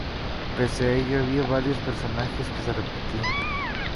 Pese a ello, había varios personajes que se repetían.